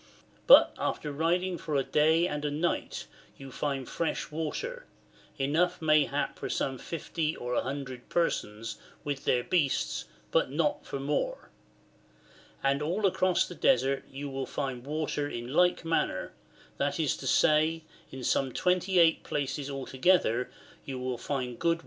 But after riding for a day and a night you find fresh water, enough mayhap for some 50 or 100 persons wtch their beasts, but not for more. And all across the Desert you will find water in like manner, that is to say, in some 28 places altogether you will find good water, Chap.